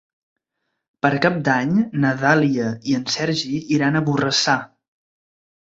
Per Cap d'Any na Dàlia i en Sergi iran a Borrassà.